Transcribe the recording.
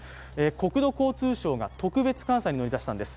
国土交通省が特別監査に乗り出したんです。